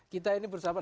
kita ini bersama